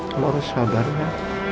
kamu harus sabar ya